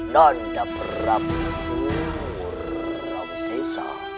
nanda prabu surawisesa